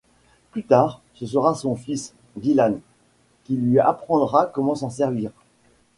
Plus tard, ce sera son fils, Dylan, qui lui apprendra comment s'en servir.